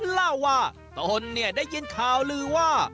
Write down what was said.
ล่าว่าต้นได้ยินข่าวรู้ว่า